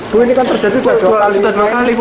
bu ini kan terjadi dua kali